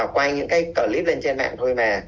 quay những cái clip lên trên mạng thôi mà